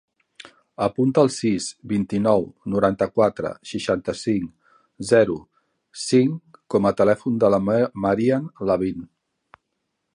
Apunta el sis, vint-i-nou, noranta-quatre, seixanta-cinc, zero, cinc com a telèfon de la Maryam Lavin.